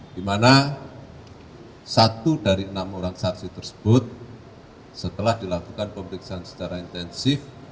di mana satu dari enam orang saksi tersebut setelah dilakukan pemeriksaan secara intensif